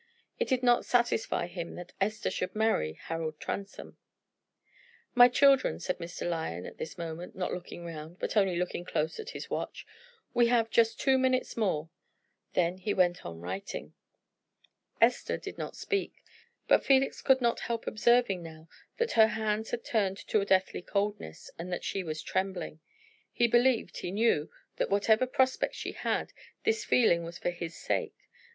It did not satisfy him that Esther should marry Harold Transome. "My children," said Mr. Lyon at this moment, not looking round, but only looking close at his watch, "we have just two minutes more." Then he went on writing. Esther did not speak, but Felix could not help observing now that her hands had turned to a deathly coldness, and that she was trembling. He believed, he knew, that whatever prospects she had, this feeling was for his sake.